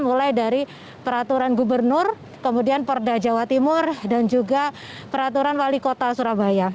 mulai dari peraturan gubernur kemudian porda jawa timur dan juga peraturan wali kota surabaya